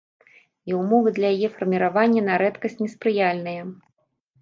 І ўмовы для яе фарміравання на рэдкасць неспрыяльныя.